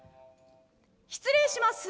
「失礼します」。